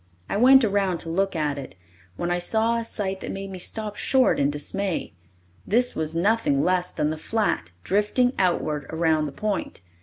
I went around to look at it, when I saw a sight that made me stop short in dismay. This was nothing less than the flat, drifting outward around the point.